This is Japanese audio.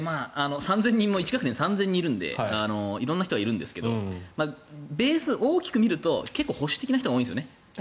１学年３０００人いるので色んな人がいるんですけどベース、大きく見ると結構、保守的な人が多いんですね。